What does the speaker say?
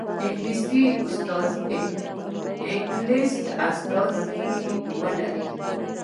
انګلیس استازی ولري.